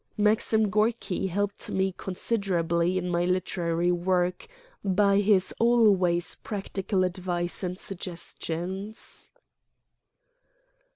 Maxim Gorky helped me considerably in my literary work by his always practical advice and suggestions.